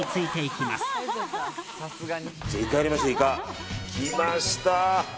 きました！